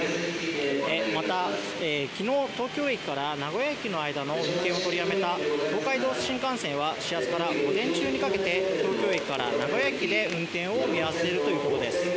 また昨日東京駅から名古屋駅の間の運転を取りやめた東海道新幹線は始発から午前中にかけて東京駅から名古屋駅で運転を見合わせているということです。